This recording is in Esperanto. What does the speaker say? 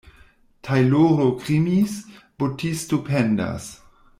Tajloro krimis, botisto pendas.